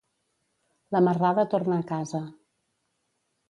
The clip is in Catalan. La marrada torna a casa.